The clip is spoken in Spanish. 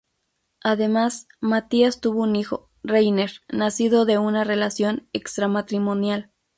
Además, Mathias tuvo un hijo, Reiner, nacido de una relación extramatrimonial.